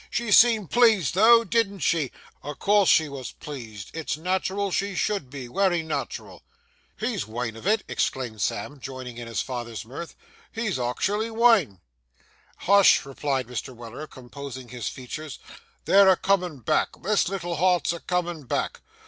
She seemed pleased, though, didn't she? O' course, she wos pleased, it's nat'ral she should be, wery nat'ral.' 'He's wain of it!' exclaimed Sam, joining in his father's mirth. 'He's actually wain!' 'Hush!' replied Mr. Weller, composing his features, 'they're a comin' back,—the little heart's a comin' back.